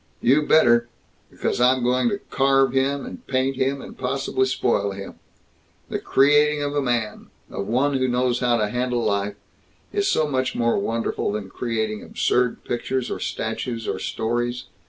"You better! Because I'm going to carve him, and paint him, and possibly spoil him. The creating of a man of one who knows how to handle life is so much more wonderful than creating absurd pictures or statues or stories.